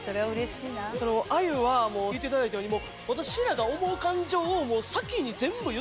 あゆは言っていただいたように。